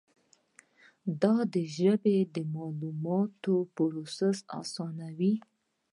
دا ژبه د معلوماتو پروسس آسانوي.